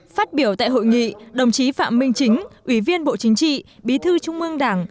phát biểu tại hội nghị đồng chí phạm minh chính ủy viên bộ chính trị bí thư trung mương đảng